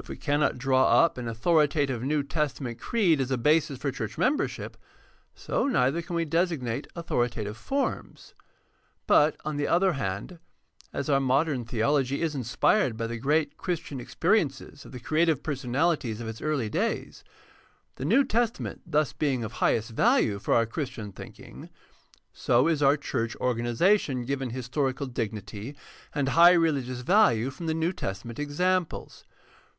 If we cannot draw up an authoritative New Testa ment creed as a basis for church membership, so neither can we designate authoritative forms. But, on the other hand, as our modern theology is inspired by the great Christian experi ences of the creative personahties of its early days, the New Testament thus being of highest value for our Christian think ing, so is our church organization given historical dignity and high religious value from the New Testament examples.